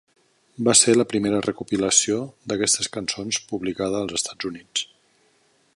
Va ser la primera recopilació d'aquestes cançons publicada als Estats Units.